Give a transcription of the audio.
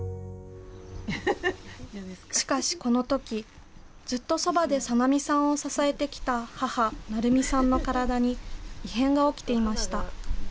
しかしこのとき、ずっとそばでさなみさんを支えてきた母、成美さんの体に異変が起きていました。